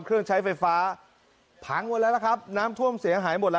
ก็จับทีร่ะเหรอ